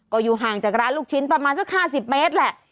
ก็อยู่ห่างจากร้านลูกชิ้นประมาณสัก๕๐เมตรแหละ